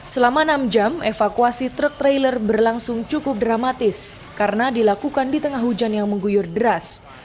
selama enam jam evakuasi truk trailer berlangsung cukup dramatis karena dilakukan di tengah hujan yang mengguyur deras